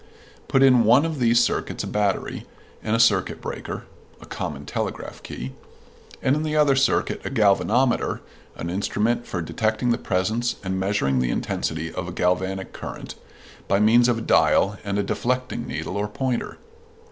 Put in one of these circuits a battery, and a circuit breaker (a common telegraph key), and in the other circuit a galvanometer (an instrument for detecting the presence and measuring the intensity of a galvanic current, by means of a dial and a deflecting needle or pointer).